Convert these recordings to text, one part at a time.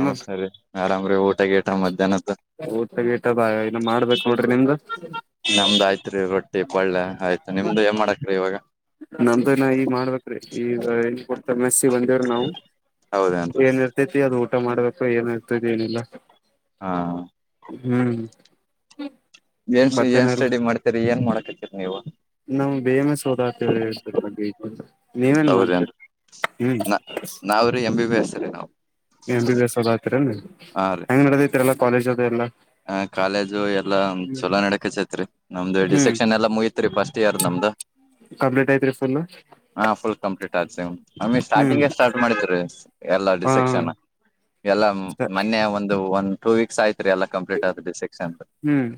ನಮಸ್ತೆ ರೀ ಮೇಡಾಮ ರೀ ಊಟಾಗೇ ಊಟಗಟ ಬ ಏನ್ನು ಮಾಡ್ಬೇಕು ನೋಡ್ರಿ ನಿಮ್ದು ನಮ್ದ ಆಯ್ತು ರೊಟ್ಟಿ ಪೊಳ್ಳೆ ಆಯ್ತು ನಿಮ್ದು ಏನ್ ಮಾಡಾಕ ರೀ ಇವಾಗ ನಮ್ದನ ಈ ಮಾಡ್ಬೇಕ್ರೀ ಈಗನ್ ಕೊ ಮ ಬಂದವ್ರಿ ನಾವು ಹೌದೇನ್ರಿ ಏನ್ ಇರ್ತತಿ ಅದು ಊಟ ಮಾಡ್ಬೇಕು ಏನ್ ಇರ್ತೈತಿ ಏನಿಲ್ಲ ಹಾ ಹ್ಮ್ ಏನ್ ಏನ್ ಮತ್ತೇನೆಲ್ಲ ಸ್ಟಡಿ ಮಾಡ್ತೀರಿ ಏನ್ ಮಾಡಕತ್ತೀರಿ ನೀವು ನಮ್ ಬೇಮ ಸೋದ ಸ್ವಲ್ಪ ನೀವೇನ್ ಮಾಡ್ತರಿ ಹೌದೇನ್ರಿ ಹ್ಮ ನ ನಾವ್ರೀ ಎಂ ಬಿ ಬಿ ಎಸ್ ರೀ ನಾವು ಎ ಬಿ ಬಿ ಎಸ್ ಓದ ಆತೀರ ಹೆಂಗ್ ನಡದತಿರಲ್ಲ ಕಾಲೇಜ್ ಅದು ಎಲ್ಲಾ ಹ ಕಾಲೇಜು ಎಲ್ಲಾ ಚಲೋ ನಡಕಸೈತ್ರಿ ನಮ್ದು ಹ್ಮ್ ಡಿಸೆಕ್ಷನ್ ಎಲ್ಲಾ ಮುಗತ್ ತ್ರಿ ಫಸ್ಟ್ ಇಯರ್ ನಮ್ದ್ ಕಂಪ್ಲೀಟ್ ಐತ್ರಿ ಫುಲ್ ಫುಲ್ ಕಂಪ್ಲೀಟ್ ಆಸ ಆಮ ಹ್ಮ್ ಸ್ಟಾರ್ಟಿಂಗ್ಗೆ ಸ್ಟಾರ್ಟ್ ಮಾಡಿದರಿ ಹಾ ಎಲ್ಲಡಿಸೆಕ್ಷನ್ ಎಲ್ಲ ಮೊನ್ನೆ ಒಂದು ಒಂದ್ ಟೂ ವೀಕ್ಸ್ ಆಯ್ತ್ರಿ ಎಲ್ಲ ಕಂಪ್ಲೀಟ್ ಆದ್ರ ಸೆಕ್ಷನದು ಹ್ಮ್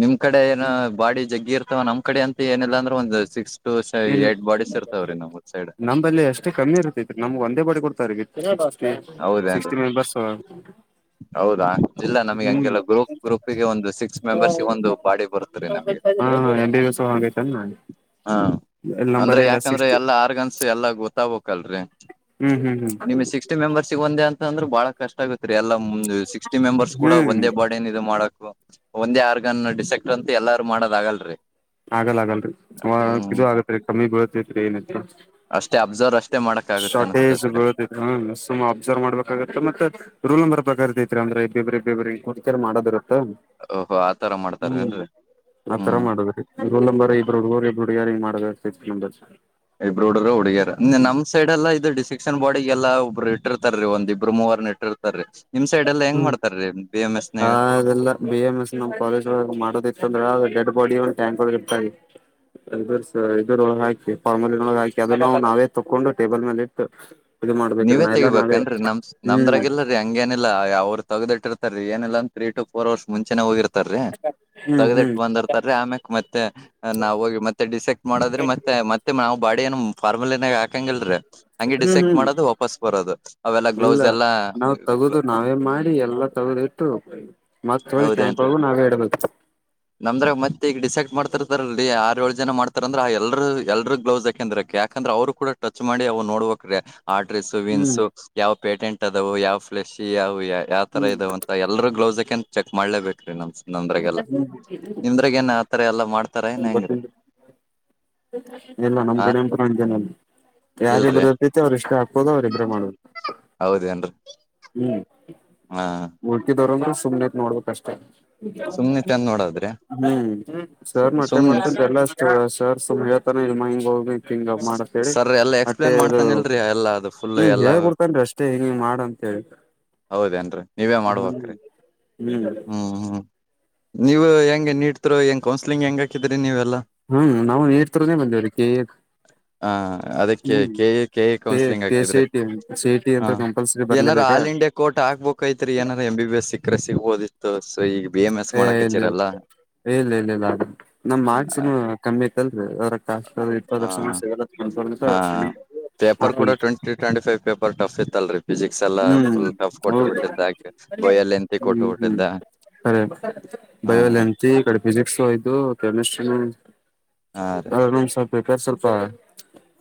ನಿಮ್ ಕಡೆ ಏನ ಬಾಡಿ ಜಗ್ಗಿ ಇರ್ತವ ನಮ್ ಕಡೆ ಅಂತ ಏನಿಲ್ಲಲ್ಲ ಅಂದ್ರೆ ಒಂದು ಸಿಕ್ಸ್ ಟು ಇಲ್ ಏಟ್ ಬಾಡೀಸ್ ಇರ್ತಾವ್ರೀ ನಮ್ ಸೈಡ್ ನಬಲ್ಲಿ ಎಷ್ಟೇ ಕಮ್ಮಿ ಇರ್ತೈತ್ರಿ ನಮ್ಗೆ ಒಂದೇ ಬಡಿ ಕೊಡ್ತಗಿ ಸಿಕ್ಸಟಿ ಹೌದೇನ್ರಿ ಸಿಕ್ಸಟಿ ಮೆಂಬರ್ಸ್ ಹೌದಾ ಇಲ್ಲ ನಮಗೆ ಹ್ಮ್ ಹಂಗೆಲ್ಲ ಗ್ರೂಪ್ ಗ್ರೂಪ್ಗೆ ಒಂದು ಸಿಕ್ಸ್ ಮೆಂಬರ್ಸ್ಗೆ ಒಂದು ಪಾಡಿ ಬರುತ್ತ ರೀ ನಮ್ಗೆ ಹಾ ಹಾ ಎಂ ಬಿ ಬಿ ಸು ಹಾಗೈತಲ್ಲ ನಾ ಹಾ ಅಂದ್ರೆ ಯಾಕಂದ್ರೆ ಎಲ್ಲಾ ಆರ್ಗನ್ಸ್ ಎಲ್ಲಾ ಗೊತ್ತಾಗಬೇಕಕ್ಲ್ರರಿ ಹ್ಮ್ ಹ್ಮ್ ಹ್ಮ್ ನಿಮಗೆ ಸಿಕ್ಸ್ಟಿ ಮೆಂಬರ್ಸಿಗೆ ಒಂದೇ ಅಂತ್ ಅಂದ್ರೆ ಬಹಳ ಕಷ್ಟ ಆಗತ್ರಿ ಎಲ್ಲ ಸಿಕ್ಸ್ಟಿ ಮೆಂಬರ್ಸ್ ಕೂಡ ಹ್ಮ್ ಒಂದೇ ಬಾಡನ್ ಇದು ಮಾಡಕ್ ಒಂದೇ ಆರ್ಗನ್ ಡಿಸೆಕ್ಟ್ ಅಂತ ಎಲ್ಲಾರು ಮಾಡೋದ ಆಗಲ್ರರಿ ಆಗಲ್ಲ ಆಗಲ್ರಿ ಇದು ಆಗತ್ರಿ ಕಮ್ಮಿ ಬಿಳತ್ತತ್ರಿ ಏನಿತ್ತು ಅಷ್ಟೇ ಅಬ್ಸರ್ವ್ ಅಷ್ಟೆ ಶಾರ್ಟೇಜ್ ಬೀಳತೀತು ಅಬ್ಸರ್ವ್ ಮಾಡ್ಬೇಕಾಗತ್ತೆ ಮತ್ತೆ ರೂಲ್ ನಂಬರ್ ಬಗರ್ದೈತ್ರಿ ಅ್ರ ಇಬ್ಬಬ್ರು ಇಬ್ರು ಕುಡ್ ಕರ್ ಮಾಡೋರು ಓಹೋ ಆತರ ಹ್ಮ್ ಮಾಡ್ತಾರೇನ್ರಿ ಆತರ ಹ್ಮ್ ಮಾಡಿಬೇಕು ರೋಲ್ ನಂಬರ ಇಬ್ರು ಹುಡುಗ್ರು ಇಬ್ರ ಹುಡುಗೀರ ಮಾಡಬೇಕು ಸಿಕ್ಸ್ ಮೆಂಬರ್ಸ್ ಇಬ್ಬರು ಹುಡುಗ ಹುಡುಗಿಯರು ಇನೇನು ನಮ್ಮ ಸೈಡ್ ಎಲ್ಲ ಇದು ಡಿಸಿಕ್ಷನ್ ಬಾಡಿಗೆಲ್ಲ ಒಬ್ರು ಇಟ್ಟಿರ್ತಾರರೀ ಒಂದ ಇಬ್ಬರು ಮೂವರ್ನ ಇಟ್ಟಿರ್ತರೆರಿ ಹ್ಮ್ ಅದಿಲ್ಲ ಬಿ ಎಂ ಎಸ್ ನಮ್ ಕಾಲೇಜ್ ಒಳ್ಳಗೆ ಮಾಡೋದು ಇತ್ತುಅಂದ್ರ ಡೆಡ್ ಬಾಡಿ ಒಂದು ಟ್ಯಾಂಕ್ ಒಳ್ಳಗೆ ಇಡ್ತಾರೆರೀ ಇದರ್ ಇದ್ರೊಳಗ ಹಾಕಿ ಫಾರ್ಮಲ್ಲಿನೊಳ ಹಾಕಿ ಅದೆಲ್ಲ ನಾವೇ ತಕೊಂಡು ಟೇಬಲ್ ಮೇಲೆ ಇಟ್ಟು ಇದು ಮಾಡ್ಬೇಕ್ರಿ ನೀವೇ ನಾ ಎಲ್ಲಾ ನಾವೇ ತೆಗಿಬೇಕನ್ರೀ ನಮ್ ಹ್ಮ್ ನಮ್ದ್ರಾಗಲ್ಲರೀ ಹಂಗೇನಿಲ್ಲ ಅವರು ತೆಗೆದುಟ್ಟಿರ್ತಾರೀ ಏನಿಲ್ಲಾಂದ ತ್ರೀ ಟ ಫೋರ್ ಅವರ್ಸ್ ಮುಂಚೆನೆ ಹೋಗಿರ್ತಾರೀ ಹ್ಮ್ ಹ್ಮ್ ತೆಗೆದುಯಿಟ್ಟು ಬಂದರ್ತಾರೀ ಆಮ್ಯಕ್ ಮತ್ತೆ ನಾವ್ ಹೋಗಿ ಮತ್ತೆ ಡಿಸೆಕ್ಟ್ ಮಾಡದ್ರಿ ಮತ್ತೆ ಮತ್ತೆ ನಾವ್ ಬಾಡಿ ಏನ್ ಫಾರ್ಮ್ಯಾಲಿಗೆ ಹಾಕಂಗಿಲ್ರಿ ಹಂಗೆ ಹ್ಮ ಡಿಸೆಕ್ ಇಲ್ಲ ಎಲ್ಲಾ ನಾವ್ ತೆಗೆದು ನಾವೇ ಮಾಡಿ ಎಲ್ಲ ತೆಗೆದು ಇಟ್ಟು ಮತ್ ಒಳಗೆ ಟ್ಯಾಂಕ್ ಒಳಗು ನಾವೇ ಇಡಬೇಕು ನಮದ್ರಾಗ ಮತ್ತೆ ಈಗ ಡಿಸೈಕ್ಟ್ ಮಾಡ್ತತಿರ್ತಾರೀ ಆರ ಏಳು ಜನ ಮಾಡ್ತಾರ ಅಂದ್ರ ಎಲ್ರು ಎಲ್ರು ಗ್ಲೌಸ್ ಯಾಕಂದ್ರ ಯಾಕಂದ್ರೆ ಅವ್ರು ಕೂಡ ಟಚ್ ಮಾಡಿ ಅವ್ ನೋಡಬೇಕ್ರೆ ಆಡ್ರಸು ವೇನ್ಸ್ ಹ್ಮ್ ಯಾವ್ ಪೇಟೆಂಟ್ ಅದವು ಯಾವ್ ಫ್ಲಶಿ ಯಾವು ಯಾವ ತರ ಹ್ಮ್ ಇದವು ಅಂತ ಎಲ್ಲರು ಗ್ಲೌಸ್ ಹಾಕಿಕೊಂಡು ಚೆಕ್ ಮಾಡ್ಲೇಬೇಕು ರೀ ನಮ್ ಹ್ಮ್ ನಿಂದ್ರಗ ಏನ್ ಆತಾರ ಎಲ್ಲಾ ಮಾಡ್ತಾರ ಏನ್ ಹೆಂಗ್ರಿ ಎಲ್ಲ ನಮ್ ಆ ಕಡೆ ಹಾಗೇನು ಇಲ್ರಿ ಇಲ್ರಿ ಯಾರಿಬ್ಬರು ಹತೈತಿ ಅವರು ಇಷ್ಟ ಹಾಕ್ಬೋದು ಅವರಿಬ್ಬರೆ ಮಾಡೋದು ಹೌದೇನ್ರಿ ಹ್ಮ್ ಹಾ ದರೋದ್ರ ಸುಮ್ನೆದ ನೋಡ್ಬೇಕ ಅಷ್ಟೇ ಸುಮ್ನೆ ಚಂದ ನೋಡದ್ರಿ ಹ್ಮ್ ಹ್ಮ ಸರ್ ಮಟ್ಟೆ ಸುಮ್ನೆ ಮತ್ತ ಎಲ್ಲ ಅಷ್ಟ ಸರ್ ಸುತಾನ ಇಮ್ಮ ಹಿಂಗ ಹೋಗಿ. ಹಿಂಗ ಮಾಡತ್ ಹೇಳಿ ಸರ್ ಎಲ್ಲಾ ಮತ್ತೆ ಎಕ್ಸ್ಪ್ಲೇನ್ ಅದು ಮಾಡ್ತಾನಲ್ರಿ ಎಲ್ಲಾ ಅದು ಫುಲ್ ಹ್ಮ್ ಎಲ್ಲಾ ಹೇಳ ಕೊಡ್ತನ್ರಿ ಅಷ್ಟೇ ಹಿಂಗ ಮಾಡಂತ. [unintelligible] ಹೌದೇನ್ರಿ ನೀವೇ ಮಾಡ್ಬೇಕ್ರೀ. [unintelligible] ನೀವು ಹೆಂಗ ನೀತ್ರು ಹೆಂಗ ಕೌನ್ಸ್ಲಿಂಗ್ ಹೆಂಗ ಹಾಕಿದ್ರಿ ನೀವ್. ಹ್ಮ್ ನಾವು ನೀರ್ತಿರನೇ ಬಂದವ್ರ ಹಾ ಅದಕ್ಕೆ K K A counselling K C ಹಾಕಿದ್ರಿ I T C I T ಅಂತ ಹಾ ಕಂಪಲ್ಸರಿ ಏನಾರ ಬರ್ಲೇಬೇಕಾ ಆಲ್ ಇಂಡಿಯಾ ಕೋರ್ಟ್ ಆಗ್ಬಬೇಕಕ್ಐತ್ರಿ ಏನಾರ ಎಂ ಬಿ ಎಸ್ ಸಿಕ್ಕ್ರ ಸಿಗ್ಬೋದಿತ್ತು ಸೊ ಈಗ ಬಿ ಎಂ ಎಸ್ ಏ ಇಲ್ಲ ಮಾಡಕ್ಚೇರೆ ಎಲ್ಲಾ ಇಲ್ಲ ಇಲ್ಲ ಇಲ್ಲ ಅ ನಮ್ ಮಾರ್ಕ್ಸ್ನು ಕಮ್ಮಿ ಐತ್ಲ್ರಿ ಅವ್ರ ಕ ಹಾ ಹ ಪೇಪರ್ ಕೂಡ twenty twenty five paper tough ಇತ್ತಲ್ರಿ ಫಿಸಿಿಕ್ಸ್ ಎಲ್ಲ ಹ್ಮ್ ಫುಲ್ ಟಫ್ ಕೊಟ್ಟು ಹೌದು ಬಿಿಟ್ಟಿದ್ದ ಬೋಯಲ್ಲಿ ಎಂತಿ ಕೊಟ್ಟು ಬಿಿಟ್ಟಿದ್ದ ಅರೆ ಬಯ ಎಂತ ಕಡಿಪಿಸಿ ಇದು ಕೆಮಿಸ್ಟ್ರಿನ ಹಾ ರೀ ಸ್ವಪ ಬೇಕಾರ್ ಸ್ವಲ್ಪ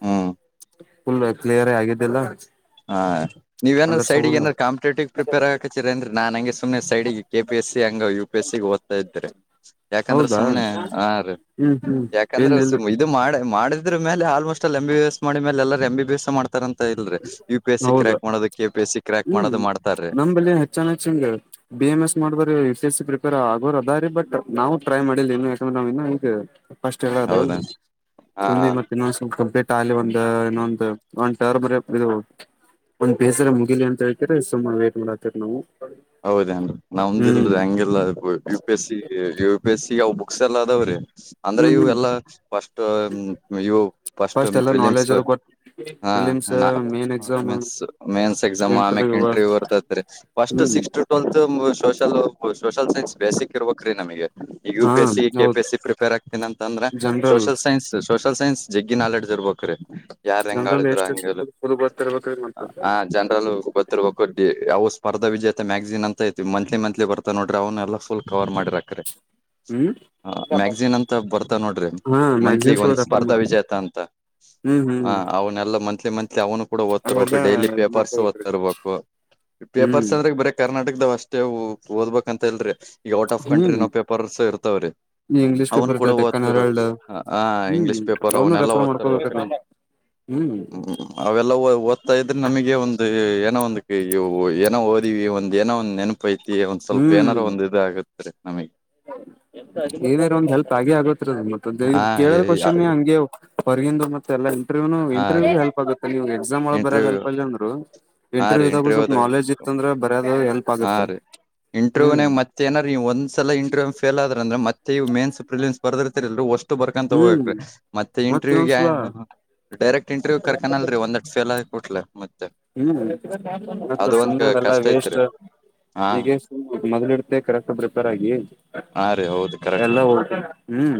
ಹ್ಮ್ ಫುಲ್ ಕ್ಲಿಯರ್ ಆಗಿದ್ದಿಲ್ಲ ಹಾ ನೀವೇನಾದಾರ ಅದ್ರ ಸೈಡ್ ಏಾದ್ ಸಂಬಂಧ ಕಾಂಪಿಟೇಟಿ್ ಪ್ರಿಪೇರ್ ಹಕತ್ತೀರ ಅಂದ್ರ ನಾನ್ ಹಂಗೆ ಸುಮ್ನೆ ಸೈಡ್ಿಗೆ ಕೆ ಪಿ ಎಸ್ ಸಿ ಹಂಗ ಯು ಪಿ ಎಸ್ ಸಿ ಓದ್ತಾ ಇದರಿ ಯಾಕಂದ್ರೆ ಹೌದಾ ಸುಮ್ನೆ ಹಾ ರೀ ಹ್ಮ್ ಹ್ಮ್ ಯಾಕಂದ್ರೆ ಇಲ್ಲ ಇಲ್ ಇದು ಮಾಡ ಮಾಡ ಇದ್ರ ಮೇಲೆ ಆಲ್ಮೋಸ್ಟ್ ಅಲ್ಲಿ ಎಂಬ ಬಿ ಎಸ್ ಮಾಡ ಮೇಲೆ ಎಲ್ಲರ ಎ ಬಿ ಎಸ್ ಮಾಡತ ಅಂತಲ್ರಿ ಹೌದಾ ಹ್ಮ್ ಮಾಡ್ತಾರ್ರಿ ನಮಲ್ಲಿ ಹೆಚ್ಚ ಚನ್ ಬಿ ಎಂ ಎಸ್ ಮಾಡ್ಬಾರ ಪ್ರಿಪೇರ್ ಆಗೋ ಅದ ರಾರಿ ಬಟ್ ನಾವು ಟ್ರೈ ಮಾಡಿಲ್ಲ ಇನ್ನು ಯಾಕಂದ್ರೆ ನ ಇ ಈಗ ಫಸ್ಟ್ ಹೇಳದು ಹೌದಾ ಹಾ ತುಿ ಮತ್ತ ಇನ್ನೊಂದಂದು ಸ್ವಲ್ಪ ಕಂಪ್ಲೀಟ್ ಆಲ್ಲಿಲಿ ಒಂದು ಇನ್ನೊಂದು ಒ್ ಟರ್ ಬರ ಇದು ಒಂದ್ ಬೇಸರ ಮುಗಿಲಿ ಅಂತ ಹೇಳ್ತರ ಸುಮ ವೇ್ಟಟ್ ಮಾಡತ್ತಕ್ ನಾವು ಹೌದೇಏನ್ರಿ ಹ್ಮ್ ನಮ್ದಲ್ರ ಹೆಂಗಗೆಲ್ಲ ಯು ಪಿ ಎಸ್ಸ ಬೇಸಿಿಗೆವು ಬುಕ್ಸ ಎಲ್ಲ ಅ ಆದವ್ರೀ ಅಂದ್ರೆ ಹ್ಮ್ ಇವು ಹ್ಮ್ ಎಲ್ಲ ಫಸ್ಟ್ ಇವು ಫಸ್ಟ್ ಎಲ್ಲ ಫಿಲಿಮ್ಸ್ ನಾಲೆಜ್ ಅದು ಗೊತ್ತ ಹ ಫಿಲಿಮ್ಸ್ ಹ ಮೇನ್ ಎಕ್ಸಾಮ್ ಮನ್ಸ್ ಎಕ್ಸಾಮ್ ಆಮ್ಯ ಇಂಟರ್ವ್ಯೂ ಇಂಟರ್ ಬರ್ದತ್ರಿ ಫಸ್ಟ್ ಹ್ಮ್ C social social science basic ಇರ್ಬೇಕ ರೀ ನಮಗೆ ಈಗ ಯು ಹಾ P S C K P ಹೌದು ಎಸ್ ಸಿ ಪ್ರಿಪೇರ್ ಆಗ್ತನ ಅಂದ್ರೆ general social science social science ಜಗ್ಗ ನಾಲೆಜ್ ಬಕರೆ ಯಾರ್ ಹೆಂಗ ಜನರಲ್ ಆಿದ್ರ ಎಷ್ಟ ಹಂಗ ಫುಲ್ ಗೊತ್ತಿರ್ಬೇಕ್ರಿ ಮತ್ತ ಆ ಜನರಲ್ ಗೊತ್ತಿರ್ಕ್ಕ ಯಾವ ಸ್ಪರ್ದ ವಿಜೇತೆ ಮ್ಯಾಗ್ಸಿನ್ ಅಂತ ಐತಿವಿ ಮಂತ್ಲಿ ಮತ್ಲಿ ಬರ್ತ ನೋಡ್ರಿ ಅವ್ನ್ನ ಎಲ್ಲ ಫುಲ್ ಕವರ್ ಮಾಡಿರಾಕೆ ಹ್ಮ್ ಹ ಮ್ಯಾಗಜಿನ್ ಅಂತ ಬರ್ತ ನೋಡ್ರಿ ಹಾ ಮಂತ್ಲಿ ಮ್ಯಾಗಝಿನ್ಸ್ ಒಂದ್ ರೆಫರ್ ಸ್ಪರ್ಧಾ ಮಾಡ ವಿಜೇತ ಅಂತ ಹ್ಮ್ ಹಾ ಹ್ಮ್ ಅವನ್ಲ್ಲ ಮ ಲಿ ಮಂತ್ಲಿ ಅವ್ನು ಕೂಡ ಓದ್ತಿರ್ಬೇಕು ಅವೆಲ್ಲ ಡೈಲಿ ಇದ್ ಪೇಪರ್ಸ್ ಮಾಡ್ಕೋಬೇಕ್ರಿ ಓದ್ತಿರ್ಬೇಕು ಪೇಪರ್ಸ್ ಹ್ಮ್ ಅಂದ್ರೆ ಬರ ಕರ್ನಾಟಕದಾವ್ ಅಷ್ಟೇ ಓದ್ಬೇಕಂತಲ್ರಿ ಈಗ ಔಟ್ ಆಫ್ ಕಂಟ್ರಿ ಹ್ಮ್ ನೋ ಪೇಪರ್ಸ್ ಇರ್ತವ್ರಿ ಈ ಇಂಗ್ಲಿಷ್ ಅವ್ನು ಪೇಪರ್ ಕೂಡ ಇದ್ದ ಡೆಕ್ಕನ್ ಓದ್ತರು ಹೆರಾಲ್ಡ್ ಆ ಹ್ಮ್ ಇಂಗ್ಲಿಷ್ ಪೇಪರ್ ಅವನು ಅವ್ನ್ ಎಲ್ಲಾ ರೆಫರ್ ಓದ್ತಾರ ಮಾಡ್ಕೋಬೇಕ ಬಕ್ರಿ ಹ್ಮ್ ಹ್ಮ ಅವಲ್ಲ ಹತ ಇದ್ರೆ ನಮಗೆ ಒಂದು ಏನೋ ಒಂದ ಏನೋ ಓದಿವಿ ಒಂದ್ ಏನೋ ಒಂದು ನೆನಪ ಐತಿ ಒಂದ್ ಸ್ವಲ್ಪ ಏನಾರ ಒಂದು ಇದ್ ಆಗತ್ತರಿ ಏನಾರು ಒಂದ್ ಹೆಲ್ಪ್ ಆಗೆ ಆಗುತ್ತೆ ಹಾ ಕೇಳೋ ಕ್ಶನ್ ಹಂಗೆ ಹೊಗಂದು ಮತ್ತೆಲ್ಲ ಇಂಟರ್ವ್ಯೂ ಹಾ ಇಂಟರ್ವೂ ರೀ ಹೆಲ್ಪ್ ಆಗುತ್ತೆ ಅ ನೀ ಎಕ್ಸಾಮ್ ಒಳಗೆ ಇಂಟರ್ವ್ಯೂ ಬರದಲ್ಲ್ ಜಂದರು ಹಾ ರೀ ಇಂಟರ್ವ್ಯೂ ಇದಾಗೂ ಸ್ವಲ್ಪ ಇಂಟರ್ವ್ಯೂದಾಗ ನಾಲೆಜ್ ಇತ್ತ ಅಂದ್ರೆ ಬರಯಾದ್ ಹೆಲ್ಪ್ ಆಗುತ್ತೆ ಇಂಟರ್ವ್ಯ್ನ ಹ್ಮ್ ಮತ್ತೇಏನಾರ ಒಂದ್ಲ ಇಂಟ್ರ್ಯ್ ಫಲ್ ಆದ್ರಂದ್ರೆ ಮತ್ತೆ ಮೇನ್ಸ್ ಪ್ರಿಲನ್ಸ್ ಬರ್ರ್ತಿಷ್ಟ ಬರ್ಕ ಹ್ಮ್ ಹೋಗಬೇಕ ಮತ್ತ ಇಂಟರ್ಗೆ ಡೈರೆಕ್ಟ್ ಇಂಟರ್ವ್ಯ್ ಕರ್ಕನಲ್ರಿ ಒಂದ ಲ ಮತ್ತ ಹ್ಮ್ ಮಂತ ಸುಮ್ನೆವೆಲ್ಲ ಕಷ್ಟ ವೇಸ್ಟ್ ಐತ್ರಿ ಹಾ ಈಗ ಮೊದ್ ಇಡ್ತ ಕರೆಕ್ಟ್ ಪ್ರಿಪೇರ್ ಆಗಿ ಹಾ ರೀ ಹೌದು ಕರೆಕ್ಟ್ ಎಲ್ಲಾ ಹತ ಹ್ಮ್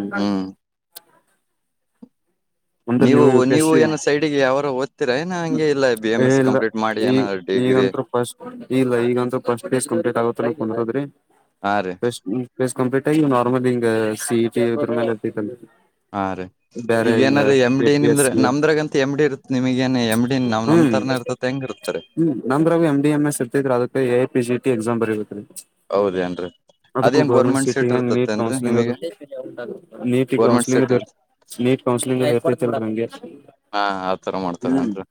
ಅಂದ್ರ ನೀವು ಯು ಪಿ ಎಸ್ ನೀವು ಸಿ ಏನೋ ಸೈಡ್ಗೆ ಯಾರ ಓ್ತಿರಾ ಏ ಹಂಗೆ ಇಲ್ಲ ಬಿ ಎಂ ಎಸ್ ಕಂಪ್ಲೀಟ್ ಮಾಡಿ ಏನೋ ಈಗತ್ ಫಸ್ಟ್ ಇಲ್ಲ ಈಗಂತೂ ಫಸ್ಟ್ ಕಂಪ್ಲೀಟ್ ಆಗುತ್ತಕೋದ್ರಿ ಹಾ ರೀ ಪಸ್ ಪೇಸ್ ಕಂಪ್ಲಿಟ್ ನರ್ಲಿಂಗ ಸಿಇಟಿ ಹಾ ರೀ ಈಗ ಏನಾರೀ ಎ ಎಮ್ಡಿ ಪಿ ಎಸ್ ನಿಮ್ದ್ರ ಸಿ ನಮ್ದ್ರ ಅಂತ ಎ್ಡ ಇರುತ್ ನಿಮಗಏನ್ ಎಮ್ಡಿ ನಾವ ನಮ್ ಹ್ಮ್ ತರನ ಇರ್ತತ್ ಹೆಂಗ ಇರ್ತಾರೆ ಹ್ಮ್ ನಮ್ರಾಗ ಎ್ಡಿ ಎಂ ಎಸ್ ಇರ್ತಿದತ್ ಅದಕ್ಕೆ ಎಐ ಪಿ ಜ ಟ ಎಸಾಮ್ ಬರೀತ್ತತ್ರಿ ಹೌದೇನ್ರರಿ ಅದಕ್ಕೂ ಗೌರ್ಮೆಂಟ್ ಸೀಟಿ ಹೆಂಗ ನೀಟ್ ಕೌನ್ಸಿಲಿಂಗ್ ನಿಮಗೆ ಅದು ನೀಟ್ ಗೋರ್ಮೆಂಟ್ ಕೌನ್ಸಿಲಿಂಗ್ ಸೀಟ್ ಅೀ ಇರ್ತ ನೀಟ್ ಕೌನ್ಸಿಂಗ್ ಹಾ ಆತರ ಮಾಡ್ತಾರ ಹ್ಮ್ ನಏನ್ರಿ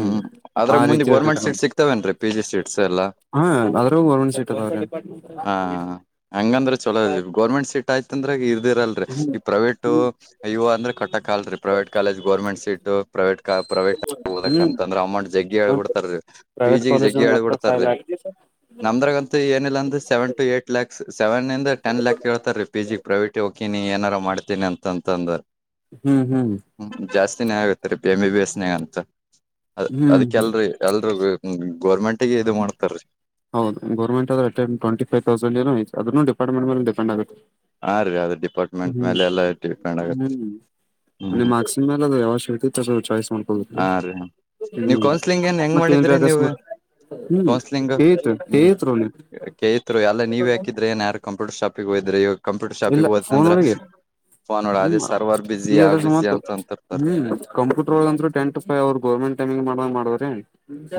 ಹ್ಮ್ ಆದ್ರೆ ಆ ಮುಂದೆ ರೀತಿ ಗೋರ್ಮೆಂಟ್ ಇರ್ತೈತ್ರಿ ಸೀಟ್ಸ್ ನಮ್ದು ಸಿಗ್ತವೇನ್ರಿ ಪಿ ಜಿ ಸೀಟ್ಸ್ ಎಲ್ಲಾ ಹಾ ಅದ್ರಾಗೂ ಗೌರ್ಮೆಂಟ್ ಸೀಟ್ ಅದಾವ್ರಿ ಹ ಹಂಗಂದ್ರೆ ಚಲೋ ಇದ ಗೌರ್ಮೆಂಟ್ ಸೀಟ್ ಆಯ್ತು ಅಂದ್ರೆ ಇರ್ದಿರಲ್ರಿ ಈ ಪ್ರೈವೇಟ್ ಇವ ಅಂದ್ರೆ ಕಟ್ಟಕ್ಲ್ರರಿ private college government seat private ಕ ಪ್ರೈವೇಟ್ ಹ್ಮ್ ಹಓದಕ್ಂತ ಅಂದ್ರ ಅಮೌಂಟ್ ಜಗ್ಗಿ ಹೇಳ್ಬ ಮತ್ ಬಿಡ್ತಾರೀ ಪಿ ಪ್ರೈವೇಟ್ ಜಿಗ್ ಕಾಲೇಜ್ ಜಗ್ಗಿ ಹೇಳ್ಬ ಮತ್ತ ಫೈವ್ ಬಿಡ್ತಾರೀ ಲ್ಯಾಕ್ ನಮ್ದ್ರಗ್ ಅಂತ ಏನಿಲ್ಲ ಅಂದೆ ಸೆವೆನ್ ಟ ಏಟ್ ಲ್ಯಾಕ್ ಸೆವೆನ್ಂದ ಟನ್ ಲ್ಕ್ ಹೇಳ್ತ ರೀ ಪಿ ಜಿ ಪ್ರೈವೇಟಿ ಹಿನಿ ಏನಾರು ಮಾಡ್ತೀನಿ ಅಂತಂತಂದ್ರ ಹ್ಮ್ ಹ್ಮ್ ಿನ ಆಗುತ್ತರಿ ಬಿಮ ಬಿ ಬಿ ಎಸ್ನ ಅಂತ ಹ್ಮ್ ಹ್ಮ್ ಅದಕ್ಕೆಲ್ರಿ ಎಲ್ರಿಗೂ ಹ್ಮ ಗೋರ್ಮೆಂಟಗ ಇದು ಮಾಡ್ತಾರೀ ಹೌದು ಗೌರ್ಮೆಟ್ ಆದ್ರ ಟ್ವೆಂಟ ಫೈವ ತೌಸಂಡ ಏಐ ಅ್ರೂ ಪಾರ್ಟ್ಮೆಟ್ ಮೇ ಪೆಂಡ್ಗುತ್ತೆ ಆಗ ಅ ಹ್ಮ್ ಹ್ಮ್ ಹ್ಮ್ ಮಾರ್ಕ್ಸಿ ಮಲ್ಲ ಯಾವ ಶೇಟಿ ತ ಚಸ್ ಹಾ ರೀ ನೀವು ಕೌನ್ಸ್ಲಿಂಗ್ ಏನ್ ಹೆಂಗ್ ಮತ್ ಏನ್ರಿ ಮಾಡಿದ್ರಿ ನೀವು ಅಕಸ್ಮಾತ್ ಹ್ಮ್ ಕೌನ್ಸ್ಲಿಂಗ್ ಏತ್ ಏತ್ ರೋನಿ ಕೇರು ಎಲ್ಲ ನೀವ್ ಹಾಕಿದ್ರೆ ಏನ್ ಯಾರು ಕಂಪ್ಯೂಟರ್ ಶಾಪ್ ಪಗ್ ವದ್ರ ಯೋಗ ಇಲ್ಲ ಫೋನ್ ಒಳಗೆ ಫೋನ್ ನೋಡ ಅದೇ ಹ್ಮ್ ಸರ್ವರ್ ಬಿಸಿ ಈ ಆ ಅದ ಬಿಸಿ ಮತ್ ಅಂತ ಅಂತಿರ್ತಾರ ಹ್ಮ್ ಕಂಪ್ಯೂಟರ್ ಒಂತೂ ಟೆಂಟ್ ಅವ್ರರು ಗೋರ್ಮೆಂಟ್ ಟೈಮ ಮಾಡ ಮಾಡಿದ್ರ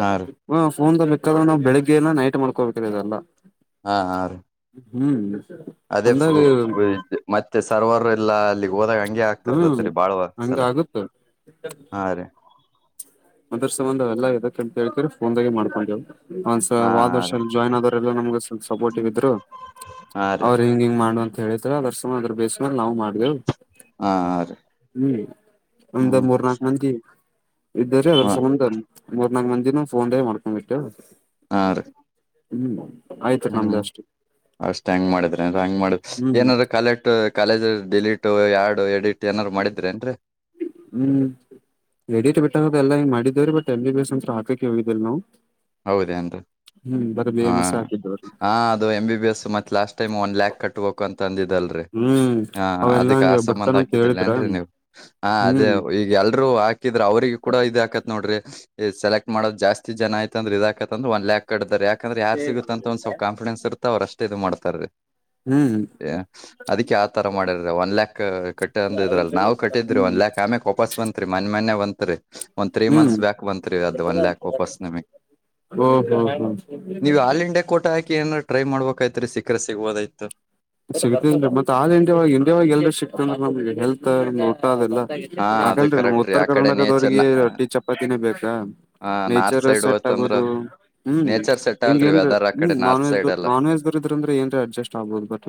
ಹಾ ರೀ ಒಂದು ಬೇಕಾದ್ರೆ ನಾವು ಬೆಳಗ್ಗೆ ಎಲ್ಲ ನೈಟ್ ಮಾಡ್ಕೋಬೇಕದೆಲ್ಲ ಹಾ ಆ ಹ್ಮ್ ಅದೇ ಅಂದಾಗ ಮತ್ತೆ ಸರ್ವರ್ ಎಲ್ಲಾ ಅಲ್ಲಿಗೆ ಹೋದಾಗ ಹಂಗೆ ಹ್ಮ್ ಆಗ್ತಿರ್ತತ್ರಿ ಬಾಳ್ುವ ಹಂಗ ಸಲ ಆಗುತ್ತ ಹಾ ರೀ ಮದ್ರ ಸಂಬಂಧ ಎಲ್ಲ ಎದಕ್ಕೆ ಅಂತ ಹೇತೀ ಫೋನ್ಾಗೆ ಮಾಡ್ಕೊಂಡವ ಒಂದ್ಸ ಹಾ ವಾದ್ ವರ್ಷ ಜಾಯಿನ್ ಆದರೆಲ್ಲ ನಮಗ ಸ್ವಲ್ಪ ಸಪೋರ್ಟ್ ಿದ್ರು ಹಾ ರೀ ಹಾ ರೀ ಅವ್ರರು ಹಿಂಗ ಹಿಂಗ್ ಮಾಡ್ವ ಅಂತ ಹೇಳಿದ ಅದ್ರ ಸಮಯ ಅದ್ರ ಬೇಸ್ಮೇಲೆ ನಾವು ಮಾಡ್ದೇವ ಹಾ ರೀ ಹ್ಮ್ ಅಮಂದ ಹ್ಮ್ ಮೂರ್ನಾಕ ಮ ಇದ್ದರಿೀ ಅದ್ರ ಹಾ ಸಂಬಂ ಮೂರ್ ನಾಲ್ಕ ಮಂದಿನ ಫೋನ್ೇ ಮಾಡ್ಕೊಂಡ್ಬಿಟ್ಟು ಆ ಹ್ಮ್ ಆಯ್ತ್ರಿ ನಮ್ದು ಹ್ಮ್ ಅಷ್ಟೇ ಅಷ್ಟ್ ಹೆಂಗ್ ಮಾಡಿದ್ರೆ ಹೆಂಗ್ ಮಾಡಿದ ಹ್ಮ್ ಏನಾದ ಕಾಲ ಕಾಲೇಜ್ ಡಿಲೀಟ್ ಎರಡು ಎಡಿಟ್ ಏನಾರ ಮಾಡಿದ್ರೇನ್ರಿ ಹ್ಮ್ ವಡಿಟ್ಟ ಬೆಟ್ಟ ಲ್ಲಾ ಮಾಡಿದವ್ರೀ ಬಟ್ ಎಲ್ಲಿ ಬೇಸ್ ಅಂತತ್ರ ಹಾಕ ಹೋಗಿದಿಲ್ ನಾವು ಹೌದೇ ಅನ್ ಹ್ಮ್ ಬರೀ ಬಿ ಹ ಎಂ ಎಸ್ ಹಾಕಿದ್ದೇವ್ರಿ ಹ ಅದು ಎಮ ಬಿ ಬಿ ಎಸ್ ಮತ್ತ ಲಾಸ್ಟ್ ಟೈಮ್ ಒನ್ ಲ್ಯಾಕ್ ಕಟ್ಬೇಕು ಅಂತ ಅಂದಿದಲ್ರರಿ ಹ್ಮ್ ಹಾ ಅವೆಲ್ಲಾ ಅದಕ್ಕೆ ಆ ಹಂಗ ಸಂಬಂಧ ಬಿಡ್ತಾನಂತ ಹಾಕಿದ್ದಿಲ್ಲ ಹೇಳಿದ್ರ ಏನ್ರೀ ನೀವು್ ಹಾ ಅದೇ ಹ್ಮ್ ಈಗ ಎಲ್ರೂ ಹಾಕಿದ್ರ ಅವ್ರಿಗೆ ಕೂಡ ಇದ ಹಾಕತ್ ನೋಡ್ರಿ ಸೆಲೆಕ್ಟ್ ಮಾಡೋ ಜಾಸ್ತಿ ಜನ ಆಯ್ತ ಅಂದ್ರ ಇ ಇದಾಕತ್ತತ್ಂದ್ರೆ ಒನ್ ಲ್ಾಕ್ ಕಡದಾರೆ ಯ ಯಾಕ್ರ ಯಾರ್ ಸಿಗುತ್ತತ್ತಂತ ಒಂದ್ ಸ್ಲ್ಪ ಕಾಫಿಡೆನ್ಸ್ ಇತ್ತ ಅವ್ರ ಅಷ್ಟೇದು ಮಾಡ್ತಾರೆೀ ಹ್ಮ್ ಅದಕ್ಕೆ ಯಾವ ತರ ಮಾಡರ್ ಒನ್ ಲ್ಾಕ್ ಕಟ್ಟಿ ಅಂದ ಇದ್ರಲ್ಲ ನಾವು ಕಟ್ಟಿದ್ರಿ ಒನ್ ಲ್ಾಕ್ ಆಮೆಕ್ ವಾಪಸ್ ಬಂತತ್ರಿ ಮನೆ ಬಂತತ್ರಿ ಒಂದ್ ತ್ರೀ ಹ್ಮ್ ಮಂತ್ಸ್ ಬ್ಯಾಕ್ ಬಂತತ್ರಿ ಅದ್ ಒನ್ ಯಾಕ್ ವಾಪಸ್ ನಿಮಗ್ ಹ್ಮ ನೀವ್ ಆಲ್ ಇಂಡಿಯಾ ಕೋಟ ಹ ಟ್ರೈ ಮಾಡಬೇಕ್ತ್ರಿ ಸಿಕ್ರ ಸಿಗ್ಬೋದಿತ್ತು. ಸಿಗ್ತೇನ್ರಿ ಮತ್ತ ಆಲ್ ಇಂಡಿಯಾ ಇಂಡಿಯಾವ ಎಲ್ರೂ ಸಿಕ್ತನ್ ನಮ್ಗೆ ಹೆಲ್ತ್ ಊಟ ಅದೆಲ್ಲ ಹಾ ಅದು ಹಾಗಲ್ರಿ ನಮ್ ಕರೆಕ್ಟ್ ರೀ ಉತ್ತರ ಆ ಕಡೆ ನೇಚರ್ ಕರ್ನಾಟಕದವ್ರಿಗೆ ರೊಟ್ಟಿ ಚಪಾತಿನೇ ಬೇಕಾ ಹ ನಾರ್ತ್ ನೇಚರ್ ಸೈಡ್ ಸೆಟ್ ಹೋಯ್ತಂದ್ರ ಆಗೋದು ಹ್ಮ್ ನೇಚರ್ ಸೆಟ್ ಹಿಂಗ ಅಲ್ರಿ ಏನ್ೀ ವೆದರ್ ಆ ಹ್ಮ ಕಡೆ ನಾನ್ ನಾರ್ತ್ ವಜ್ ಸೈಡ್ ಎಲ್ಲ ನಾನ್ ವಜ್ ಏ ಅಡ್ಜಸ್ಟ್ ಆಗಬುದು ಬಟ್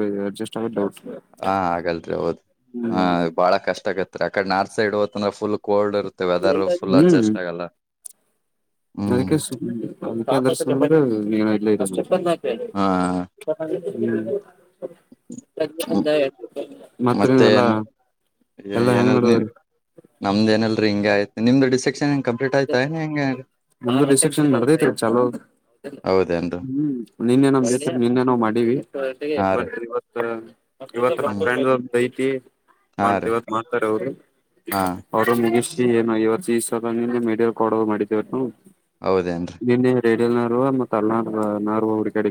ವಜ್ರಸ್ ಆ ಹಾ ಆಗಲ್ರಿ ಹೌದ್ ಹಾ ಬಾಳ ಕಷ್ಟ ಆಗತ್ರಿ ಆಕಡೆ ನಾರ್ತ್ ಸೈಡ್ ಹೋತಂದ್ರ ಫುಲ್ ಕೋಲ್ಡ್ ಇರುತ್ತೆ ವೆದರ್ ಫುಲ್ ಹ್ಮ್ ಅಡ್ಜಸ್ಟ್ ಆಗಲ್ಲ ಹ್ಮ್ ನಂದರ್ಶ ನೀನಲ್ಲ ಹಾ ಹ್ಮ್ ಮ್- ಮಕ್ಕನಲ್ಲ ಏನಲ್ ನಮ್ದ ಏನಲ್ರೀ ಹಿಂಗ ಆಯ್ತ್ ನಿಮ್ದ ಡಿಸೆಕ್ಷನ್ ೇಟ್ ಆ್ತಾಏನೆ ಹೆಂಗೆ ನಮ್ಮ ರಿಸೆಪ್ಷನ್ ಬರ್ದೈತೆ ಚಲೋ ಹೌದೇನ್ರಿ ಹ್ಮ್ ನಿನ್ನೋ ಮೇತ ನಿನ್ನೋ ಮಾಡ ಇವ ಹಾ ರೀ ಇವ ಹ್ಮ್ ಫ್ರಂಡ ಒ ಐತಿ ಹಾ ಮಾಡ್ತಿ ರೀ ಇವತ್ ಮಾಡ್ತಾರೆ ಅವರು ಹಾ ಅವರು ನಿಗಷ್ಟ ಏನ ಇವತ್ತು ಈ ಸಲಿಂದ ಮ ಕೊಡೋ ಮಾಡಿದೇವ ಹೌದೇನ್ರಿ ಜೈಡಲ್ ನಾರ ತಲ ನ ನಾರ ಹುಡ ಕಡೆ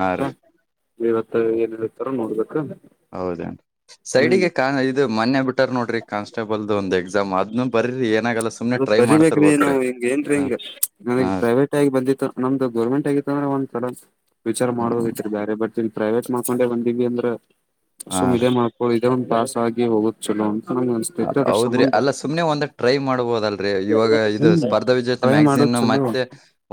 ಹಾ ರೀ ಇವತ್ತು ಏನ್ ಹೇಳ್ತಾರ ನೋಡ್ಬೇಕ ಹೌದ ಹ್ಮ್ ಸೈಡಿಗೆ ಕ ಇದು ಮೊನ್ನೆ ಬಿಟ್ಟಾರ ನೋಡ್ರಿ ಕಾನ್ಸ್ಟೇಬಲ್ದು ಒಂದು ಎಕ್ಸಾಮ್ ಅದ್ ಅದ ಬರಿೀಬೇಕ್ರಿ ನಾವವು ಹಿಂಗ ಏನ್ರೀ ಹಾ ಹಿಂಗ ಹಾ ನನಗ್ ಪ್ರೈವೇಟ್ ಆಗಿ ಬಂದಿತ್ತ ನಮ್ದು ಗೌರ್ಮೆಂಟ್ ಆಗಿತ್ತ ಒಥರ ವಿಚಾರ ಮಾಡುವದ ಇಟ್ಟಿದ್ದಾರೆ ಬಟ್ ಪ್ರೈವೇಟ್ ಮಾಡ್ಕೊಂಡೆ ಬಂದೀವಿ ಅಂದ್ರೆ ಹಾ ಸುಮ್ ಇದೇ ಮಾಡ್ಕೊಂಡ ಇದೇ ಒಂದ್ ಪಾಸ್ ಆಗಿ ಹೋಗುತ್ತ್ ಚಲೋ ನಂಗ್ ಅನ್ಸ್ತೈತ್ರಿ ಅದ್ರ ಹೌದ್ರಿ ಸಂಬಂಧ ಅಲ್ಲ ಸುಮನೆ ಒಂದ ಟ್ರೈ ಮಾಡ್ಬೋದಲ್ ಇವಾಗ ಇದು ಸ್ಪರ್ಧಾ ವಿಜೇತ ಟ್ರೈ ಮಾಡೋದ್ ಮ್ಯಾಗಸೀನ್ ಚಲೋ ಮತ್ತೆ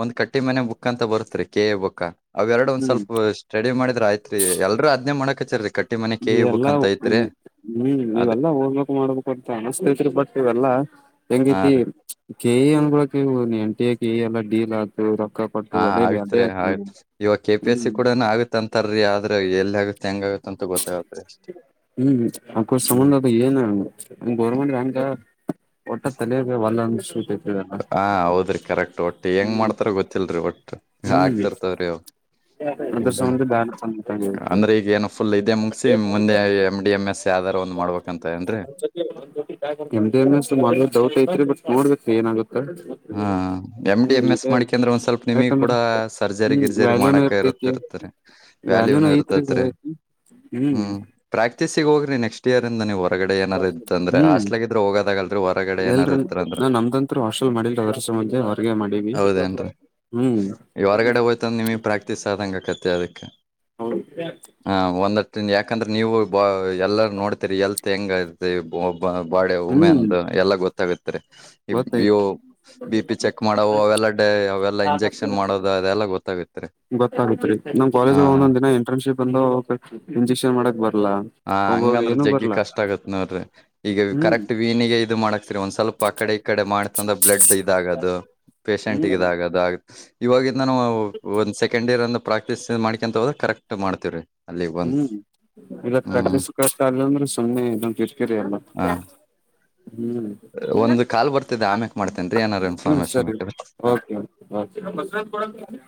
ಒಂದು ಕಟ್ಟಿ ಮನೆ ಬುಕ್ ಅಂತ ತ ಬತ್ರಿ ಕೆ ಎ ಬಾ ಅವ ಎರಡು ಒಂದ್ ಹ್ಮ್ ಸ್ವಲ್ಪ ಸ್ಟಡಿ ಮಾಡಿದ್ರ ಆಯ್ತ್ರಿ ಎಲ್ರೂ ಅ್ ಮಾಡೋಕ್ ಹಚಾರೀ ಕಟ್ಟ ಈ ಎಲ್ಲಾ ಹ್ಮ್ ಅದ್ ನೀವೆಲ್ಲಾ ಓದ್ಲಿಕ್ು ಮಾಡ್ಬೇಕ ಅನ್ನಿಸ್ತತ್ರಿ ಬಟ್ ಇವೆಲ್ಲಾ ಹಾ ಹೆಂಗೈತಿ ರೀ ಕೆೇಯ ಅನ್ಗಳಳಕ ಎನ್ಟಿ ಎಲ್ಲ ಡೀಲ್ ಆತ ಇ್ರ ಹಾ ಆಗತ್ರಿ ಆತ್ ಇವಾಗ ಕೆ ಪಿ ಎಸ್ ಸಿ ಹ್ಮ್ ಕೂಡ ಆಗತ್ಂತಾರೀ ಆದ್ರ ಎಲ್ ಆಗುತ್ತೆ ಹೆಂಗಗುತ್ತ ಅಂತ ಗೊತ್ತಾಗೆ ಹ್ಮ್ ಅ ಸಮಧ ಇ ಗೌರ್ಮೆಂಟ್ ಾಮ ಒಟ್ಟ ತಲಬೇಕ ಒಲ್ಲಂದ ಹಾ ಹೌದ್ರಿ ಕರೆಕ್ಟ್ ಒಟ್ಟು ಹೆಂಗ್ ಮಾಡ್ತಾರ ಗೊತ್ತಿಲ್ರರಿ ಒಟ್ಟು ಹ್ಮ್ ಆಾಕ್ತಿರ್ತವ್ರಿ ಅದ್ರ ಹ್ಮ್ ಹ್ಮ್ ಸಂಬಂಧ ಬ್ಯಾಡ ತಂದಂಗೈತಿ ಅಂದ್ರೆ ಈಗ ಏನು ಫುಲ್ ಇದೇ ಮುಗಸಿ ಮುಂದೆ ಎ್ ಡಿ ಎಂ ಎಸ್ ಯಾವ್ದಾರ ಒಂದ್ ಮಾಡ್ಬೇಕಂತ ಏನ್ರರಿ ಎಮ್ದ ಶ ಮಾಡವ ದಾವ ತ ಇತ ನೋಡ್ಬೇಕಕ್ಕೆ ಏನಾಗುತ್ತೆ ಹಾ ಎಮ್ ಡಿ ಹ್ಮ್ ಎಮ್ ಎಸ್ ಇದೇ ಮಾಡಿಕೆ ಅಂದ್ರ ಒಂದ ಸ್ವಲ್ಪ ನಿಮಗ್ ಯಾಕಂದ್ರ ಕೂಡ ಸರ್ಜರಿ ಹ್ಮ್ ಗಿರ್ಜರಿ ವ್ಯಾಲ್ಯೂನು ಮಾಡಕ ಇರ್ತ ಇರ್ತೈತಿ ಇರ್ತರಿ ವ್ಯಾಲ್ಯೂನು ವ್ಯಾಲ್ಯೂನ ಐತ್ರಿ ಇರ್ತತ್ರಿ ಹ್ಮ್ ಪ್ರಾಕ್ಟೀಸಿಗೆ ಹೋಗ್ರಿ ನೆಕ್ಸ್ಟ್ ಇಯರ್ ಇಂದ ನೀವು ಹೊಗಡೆ ಏನಾರ ಇದ ಅ್ರೆ ಹ್ಮ್ ಅಸ್ಟ್ಲಗಿದ್ರೆ ಹೋದಾಗಲ್ರಿ ಎಲ್ರಿ ನಾನ್ ನಮ್ದಂ ಹಾಷಲ್ ಮಾಡ ಮೆ ಹೊಗೆ ಮಾಡವಿ ಹೌದೇನ್ರಿ ಹ್ಮ್ ಅದಕ್ಕೆ ಹ ಒಂದ್ ಯ ಯಾಕಂದ್ರೆ ನೀವು ಬ ಎಲ್ಲ ನೋಡ್ತೀರಿ ಎಲ್ತ್ ಹೆಂಗ ಬಾಡ ಉಮೆನ್ ಹ್ಮ್ ಎಲ್ಲ ಗೊತ್ತಾಗತ್ತರಿ ಗೊತ್ತಾಯ್ತು ಇವು ಬಿ ಪಿ ಚೆಕ್ ಮಾಡವು ಅವೆಲ್ಲ ಡ ಅವೆಲ್ಲ ಇಂಜೆಕ್ಷನ್ ಮಾಡೋದು ಅದೆಲ್ಲ ಗೊತ್ತಾಗುತ್ತೆ ಗೊತ್ತಾಗತ್ರಿ ನಮ್ ಕಾಲೇಜ್ ಒಂದೊಂದ್ ದಿನ ಇಂಟರ್ನ್ಶಿಪ್ ಬಂದು ಇಂಜೆಕ್ಷನ್ ಮಾಡಕ್ ಬರ್ ಹಾ ಹಂಗಂದ್ರ ಜಗ್ಗಿ ಕಷ್ಟ ಆಗತ್ ನೋಡ್ರಿ ಈಗ ಹ್ಮ್ ಕರೆಕ್ಟ್ ವೀಣಿಗೆ ಇದು ಮಾಡಾಕ್ತಿರಿ ಒಂದ್ ಸ್ವಲ್ಪ ಆ ಕಡೆ ಈ ಕಡೆ ಮಾಡ್ತಂದ ಬ್ಲಡ್ ಇದಾಗದು ಪೇಶಷೆಂಟ್ಗ ಹ್ಮ್ ಇದಾಗದು ಆ ಇವಾಗಿಂದ ನಾನ ಒಂದು ಸೆಕೆಂಡ್ ಇಯರ್ ಅಂದ ಪ್ರಾಕ್ಟೀಸ್ ಮಾಡ್ಕೊಂತ ಹೋದ ಕರೆಕ್ಟ್ ಮಾಡ್ತೀವ್ರೀ. ಹ್ಮ್ ಇವತ್ ಕಟ್ಟಿಸಕತಾ ಇಲ್ಲ ಅಂದ್ರೆ ಸುಮ್ಮನೆ ಇದು ಕಿರಿಕಿರಿ ಎಲ್ಲ. ಒಂದ ಕಾಲ್ ಬರ್ತಿದ್ದ ಆಮ್ಯಕ್ ಮಾಡ್ತೇನ ರೀ ಏನಾರ ಹ್ಮ್ ಇನ್ಫಾರ್ಮಶನ್ ಸರಿ ಬೇಕಾರ ಹ. ಓಕೆ [inaudible]